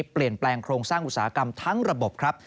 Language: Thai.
เปลี่ยนแปลงโครงสร้างอุตสาหกรรมทั้งระบบครับ